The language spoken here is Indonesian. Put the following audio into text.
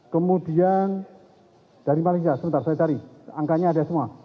kemudian dari malaysia sebentar saya cari angkanya ada semua